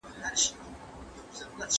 ښوونځي به تر پایه پورې بریالي شوي وي.